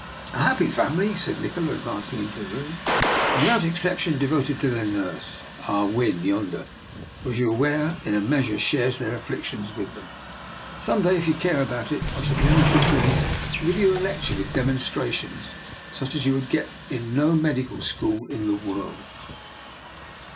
" A happy family," said Nikola, advancing into the room, " and without exception de voted to their nurse. Ah Win, yonder, who, as you are aware, in a measure shares their afflic tions with them. Some day, if you care about it, I should be only too pleased to give you a lecture, with demonstrations, such as you would get in no medical school in the world."